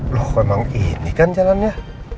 loh kok emang ini kan jalannya